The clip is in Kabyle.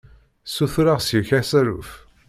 Ssutureɣ seg-k asaruf.